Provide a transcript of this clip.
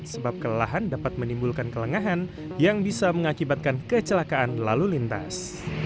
sebab kelelahan dapat menimbulkan kelengahan yang bisa mengakibatkan kecelakaan lalu lintas